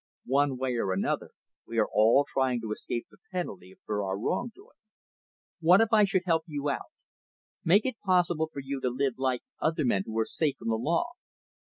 One way or another, we are all trying to escape the penalty for our wrong doing. What if I should help you out make it possible for you to live like other men who are safe from the law?